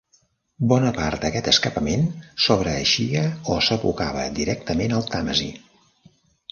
Bona part d'aquest escapament sobreeixia o s'abocava directament al Tàmesi.